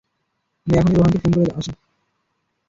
আমি এখনই রোহানকে ফোন করে আসি।